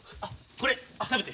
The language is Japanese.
これ食べて。